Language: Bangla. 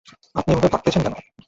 আপনি এভাবে ভাগতেছেন কেন?